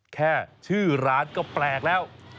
แค่ชื่อร้านก็แปลกแล้ว